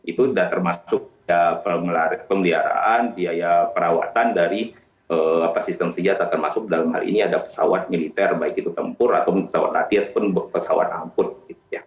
itu sudah termasuk pemeliharaan biaya perawatan dari sistem senjata termasuk dalam hal ini ada pesawat militer baik itu tempur atau pesawat latihan pesawat amput